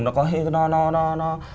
nó có hình kỳ truyền hóa